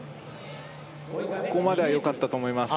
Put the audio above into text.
ここまではよかったと思います